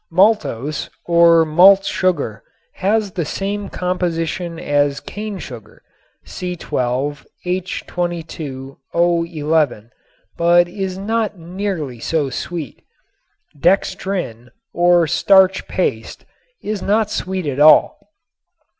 Maltose, or malt sugar, has the same composition as cane sugar (C_H_O_), but is not nearly so sweet. Dextrin, or starch paste, is not sweet at all.